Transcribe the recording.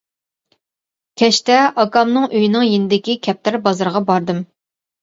كەچتە ئاكامنىڭ ئۆيىنىڭ يېنىدىكى كەپتەر بازىرىغا باردىم.